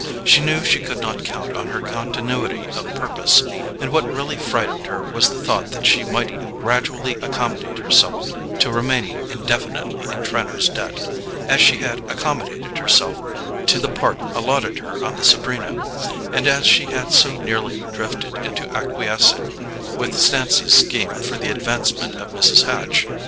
She knew she could not count on her continuity of purpose, and what really frightened her was the thought that she might gradually accommodate herself to remaining indefinitely in Trenor's debt, as she had accommodated herself to the part allotted her on the Sabrina, and as she had so nearly drifted into acquiescing with Stancy's scheme for the advancement of Mrs. Hatch.